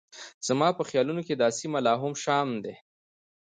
زما په خیالونو کې دا سیمه لا هم شام دی.